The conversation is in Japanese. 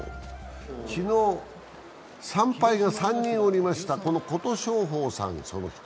昨日、３敗が３人おりました、この琴勝峰さん、その１人。